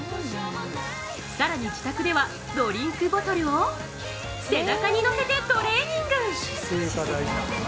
更に自宅では、ドリンクボトルを背中にのせてトレーニング！